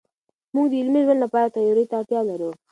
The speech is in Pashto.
موږ د عملي ژوند لپاره تیوري ته اړتیا لرو.